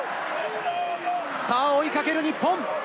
追いかける日本。